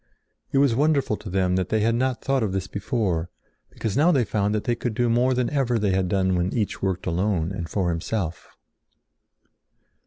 It was wonderful to them that they had not thought of this before, because now they found that they could do more than ever they had done when each worked alone and for himself.